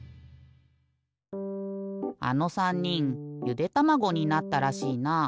あの３にんゆでたまごになったらしいな。